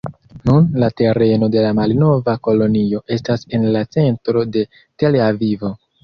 Nun, la tereno de la malnova kolonio estas en la centro de Tel-Avivo.